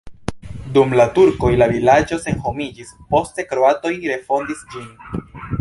Dum la turkoj la vilaĝo senhomiĝis, poste kroatoj refondis ĝin.